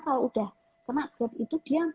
kalau sudah kena gerd itu dia